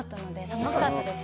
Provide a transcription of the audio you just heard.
楽しかったです。